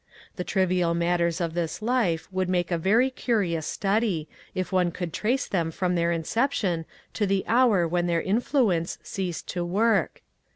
The trivial matters of this life would make a very curious study, if one could trace them from their inception to the hour when their influ ence ceased to work.